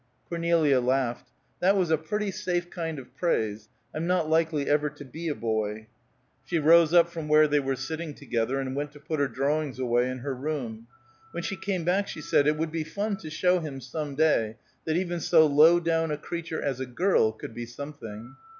Cornelia laughed. "That was a pretty safe kind of praise. I'm not likely ever to be a boy." She rose up from where they were sitting together, and went to put her drawings away in her room. When she came back, she said, "It would be fun to show him, some day, that even so low down a creature as a girl could be something."